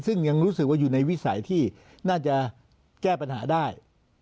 ซึ่งยังรู้สึกว่าอยู่ในวิสัยที่น่าจะแก้ปัญหาได้